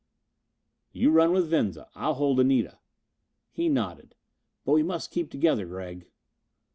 "You run with Venza. I'll hold Anita." He nodded. "But we must keep together, Gregg."